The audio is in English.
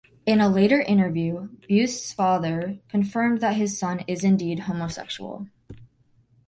In a later interview, Beust's father confirmed that his son is indeed homosexual.